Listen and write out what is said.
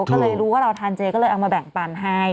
ก็เลยรู้ว่าเราทานเจก็เลยเอามาแบ่งปันให้